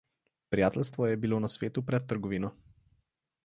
Prijateljstvo je bilo na svetu pred trgovino.